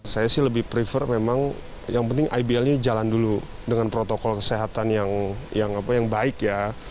saya sih lebih prefer memang yang penting ibl nya jalan dulu dengan protokol kesehatan yang baik ya